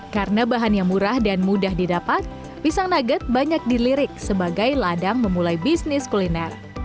karena bahan yang murah dan mudah didapat pisang nugget banyak dilirik sebagai ladang memulai bisnis kuliner